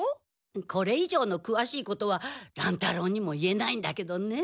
これ以上のくわしいことは乱太郎にも言えないんだけどね。